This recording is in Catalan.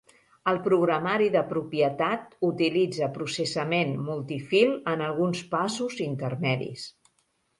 El programari de propietat utilitza processament multifil en alguns passos intermedis.